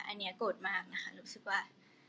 อันนี้โกรธมากนะคะรู้สึกว่า